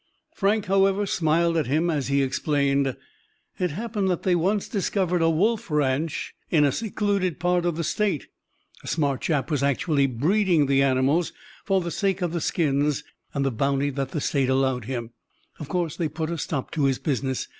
Frank, however, smiled at him, as he explained: "It happened that they once discovered a wolf ranch in a secluded part of the State. A smart chap was actually breeding the animals for the sake of the skins and the bounty that the State allowed him. Of course, they put a stop to his business.